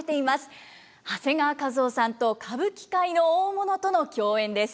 長谷川一夫さんと歌舞伎界の大物との競演です。